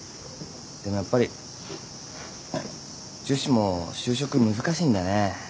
でもやっぱり女子も就職難しいんだね。